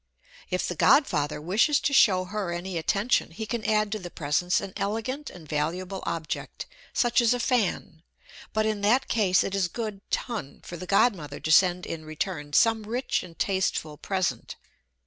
If the godfather wishes to show her any attention, he can add to the presents an elegant and valuable object, such as a fan; but in that case it is good ton for the godmother to send in return some rich and tasteful present.